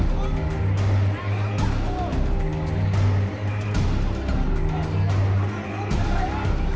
โปรดติดตามต่อไป